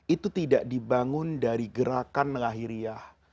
itu tidak dibangun dari gerakan lahiriah